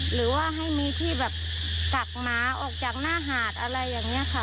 หรือว่าให้มีที่แบบกักหมาออกจากหน้าหาดอะไรอย่างนี้ค่ะ